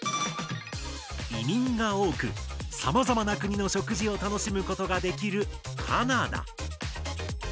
移民が多くさまざまな国の食事を楽しむことができるカナダ。